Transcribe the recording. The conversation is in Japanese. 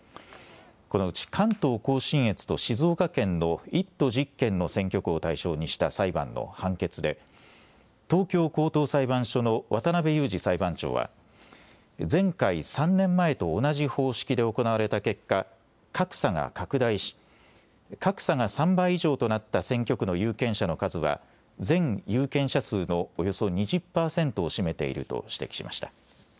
このうち、関東甲信越と静岡県の１都１０県の選挙区を対象にした裁判の判決で、東京高等裁判所の渡部勇次裁判長は、前回・３年前と同じ方式で行われた結果、格差が拡大し、格差が３倍以上となった選挙区の有権者の数は、全有権者数のおよそ２０％を占めていると指摘しました。